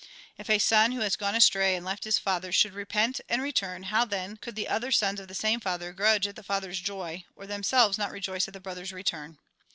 If a son, who has gone astray and left his father, should repent, and return, how then could the other sons of the same father grudge at the father's joy, or themselves not rejoice at the brother's return